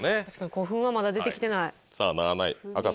古墳はまだ出てきてない。